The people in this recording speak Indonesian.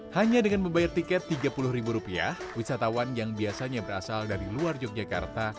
hanya dengan membayar tiket tiga puluh ribu rupiah wisatawan yang biasanya berasal dari luar yogyakarta